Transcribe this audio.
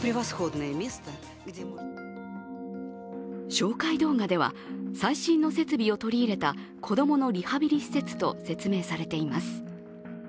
紹介動画では、最新の設備を取り入れた子供のリハビリ施設と説明されています。